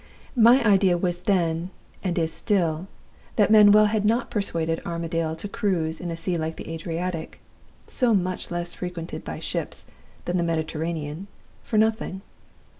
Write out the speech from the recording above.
My idea was then (and is still) that Manuel had not persuaded Armadale to cruise in a sea like the Adriatic, so much less frequented by ships than the Mediterranean, for nothing.